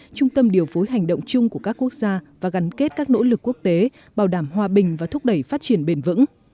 trung tâm điều phối hành động chung của các quốc gia và gắn kết các nỗ lực quốc tế bảo đảm hòa bình và thúc đẩy phát triển bền vững